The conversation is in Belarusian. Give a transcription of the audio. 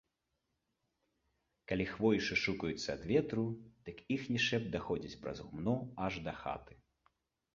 Калі хвоі шушукаюцца ад ветру, дык іхні шэпт даходзіць праз гумно аж да хаты.